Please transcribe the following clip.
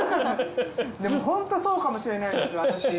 でもホントそうかもしれないです私。